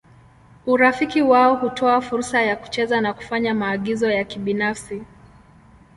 Urafiki wao hutoa fursa ya kucheza na kufanya maagizo ya kibinafsi.